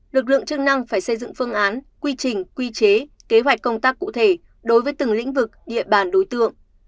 lực lượng chức năng phải xây dựng phương án quy trình quy chế kế hoạch công tác cụ thể đối với từng lĩnh vực địa bàn đối tượng